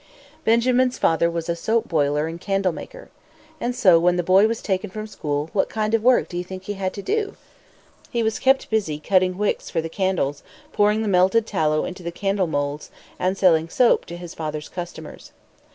Benjamin's father was a soap boiler and candle maker. And so when the boy was taken from school, what kind of work do you think he had to do? He was kept busy cutting wicks for the candles, pouring the melted tallow into the candle moulds, and selling soap to his father's customers.